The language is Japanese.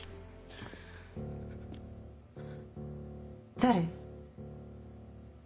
誰？